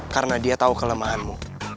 karena dia tau kelemahanmu